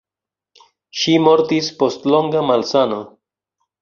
Ŝi mortis post longa malsano.